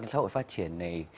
trong xã hội phát triển này